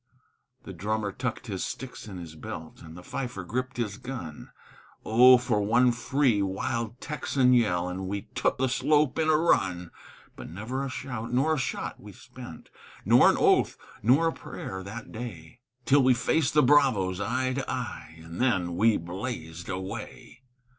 The drummer tucked his sticks in his belt, And the fifer gripped his gun. Oh, for one free, wild Texan yell, And we took the slope in a run! But never a shout nor a shot we spent, Nor an oath nor a prayer that day, Till we faced the bravos, eye to eye, And then we blazed away.